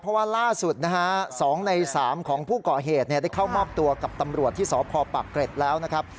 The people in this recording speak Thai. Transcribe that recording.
เพราะว่าล่าสุดนะฮะ๒ใน๓ของผู้ก่อเหตุได้เข้ามอบตัวกับตำรวจที่สพปากเกร็ดแล้วนะครับ